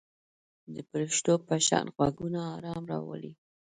د پرښتو په شان غږونه آرام راولي.